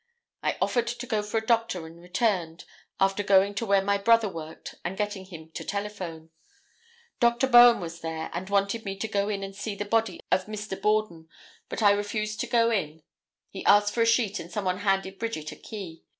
I offered to go for a doctor and returned, after going to where my brother worked and getting him to telephone. Dr. Bowen was there and wanted me to go in and see the body of Mr. Borden, but I refused to go in; he asked for a sheet and someone handed Bridget a key.